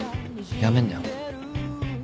やめんなよ。